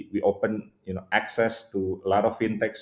kami membuka akses ke banyak fintech